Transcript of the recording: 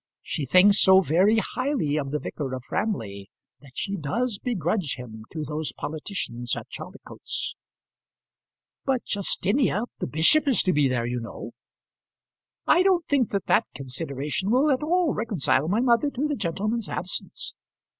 She thinks so very highly of the vicar of Framley, that she does begrudge him to those politicians at Chaldicotes." "But, Justinia, the bishop is to be there, you know." "I don't think that that consideration will at all reconcile my mother to the gentleman's absence.